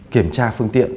kiểm tra phương tiện